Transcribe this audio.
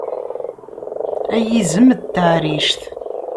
Ay izem n taɛrict!